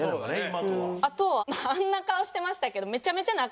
あとはあんな顔してましたけどああ